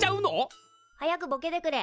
早くボケてくれ。